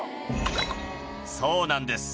そうなんです。